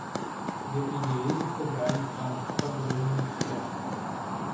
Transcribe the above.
Ветви деревьев играли в танце под лунным светом.